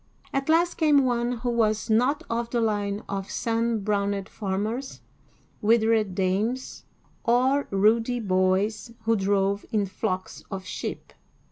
At last came one who was not of the line of sun browned farmers, withered dames, or ruddy boys who drove in flocks of sheep.